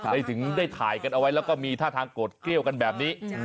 ได้ถึงได้ถ่ายกันเอาไว้แล้วก็มีท่าทางโกรธเกลี้ยวกันแบบนี้